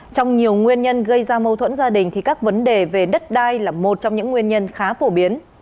trong nhiều nguyên nhân gây ra mâu thuẫn gia đình thì các vấn đề về đất đai là một trong những nguyên nhân khá phổ biến